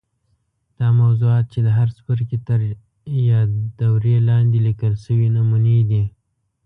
دا موضوعات چې د هر څپرکي تر یادوري لاندي لیکل سوي نمونې دي.